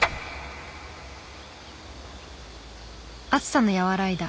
暑さの和らいだ